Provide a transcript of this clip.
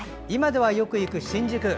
今ではよく行く新宿。